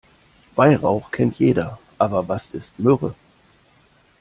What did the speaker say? Weihrauch kennt jeder, aber was ist Myrrhe?